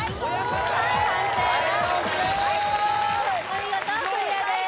お見事クリアです